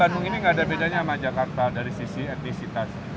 jadi bandung ini nggak ada bedanya sama jakarta dari sisi etnisitas